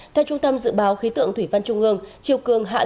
theo trung tâm dự báo khí tượng thủy văn trung ương triều cường